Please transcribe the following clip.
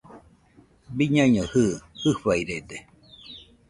Biñaino jɨɨ, fɨfairede